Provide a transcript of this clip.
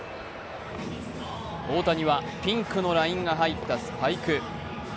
大谷はピンクのラインが入ったスパイク。